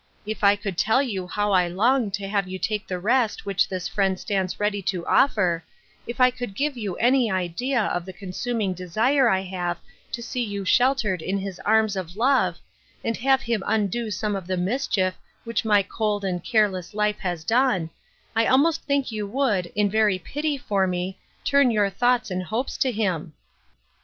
If I could tell you how I long to have you take the rest which this Friend stands ready to offer, if I could give you any idea of the consuming desire I have to see you sheltered in his arms of love, and have Him undo some of the mischief which my cold and careless life has" done, I almost think you would, in very pity for me, turn your thoughts and hopes to Him."